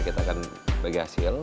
kita akan bagi hasil